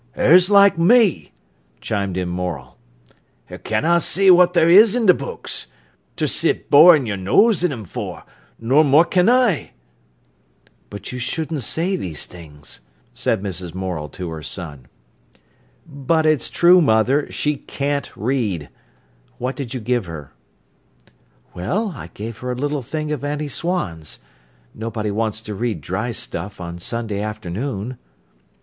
"'Er's like me," chimed in Morel. "'Er canna see what there is i' books, ter sit borin' your nose in 'em for, nor more can I." "But you shouldn't say these things," said Mrs. Morel to her son. "But it's true, mother—she can't read. What did you give her?" "Well, I gave her a little thing of Annie Swan's. Nobody wants to read dry stuff on Sunday afternoon."